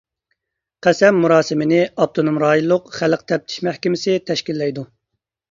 قەسەم مۇراسىمىنى ئاپتونوم رايونلۇق خەلق تەپتىش مەھكىمىسى تەشكىللەيدۇ.